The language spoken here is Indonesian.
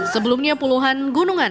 sebelumnya puluhan gunungan